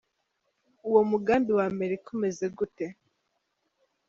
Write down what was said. Uwo mugambi wa Amerika umeze gute?.